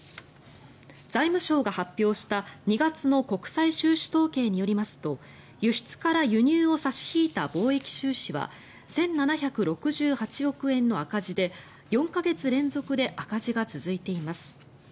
財務省が発表した２月の国際収支統計によりますと輸出から輸入を差し引いた貿易収支は１７６８億円の赤字で４か月連続で赤字が続いています。